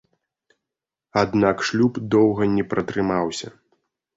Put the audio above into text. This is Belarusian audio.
Аднак шлюб доўга не пратрымаўся.